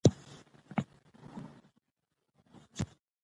تاریخ د رښتینولۍ سرچینه ده.